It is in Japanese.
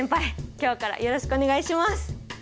今日からよろしくお願いします！